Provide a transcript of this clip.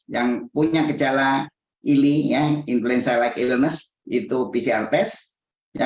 yang punya gejala ili influenza like illiness itu pcr test